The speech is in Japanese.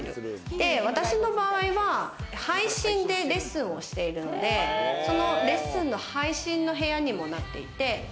私の場合は配信でレッスンをしているので、そのレッスンの配信の部屋にもなっていて。